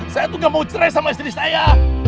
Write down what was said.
saya tuh gak mau cerai sama istri saya